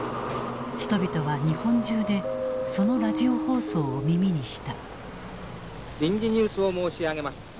人々は日本中でそのラジオ放送を耳にした。